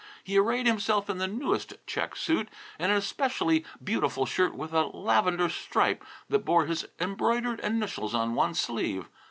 He arrayed himself in the newest check suit, and an especially beautiful shirt with a lavender stripe that bore his embroidered initials on one sleeve.